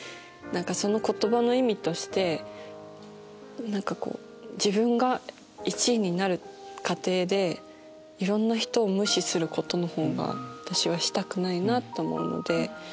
その言葉の意味として自分が１位になる過程でいろんな人を無視することのほうが私はしたくないなと思うので。